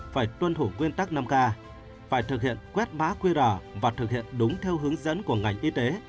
phải tuân thủ nguyên tắc năm k phải thực hiện quét má quy rõ và thực hiện đúng theo hướng dẫn của ngành y tế